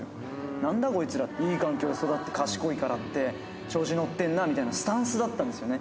なんだこいつら、いい環境で育って、賢いからって、調子乗ってんなみたいなスタンスだったんですよね。